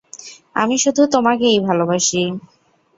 আমি শুধু তোমাকেই ভালবাসি।